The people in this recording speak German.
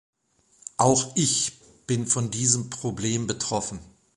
Auch ich bin von diesem Problem betroffen.